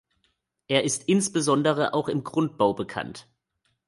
Er ist insbesondere auch im Grundbau bekannt.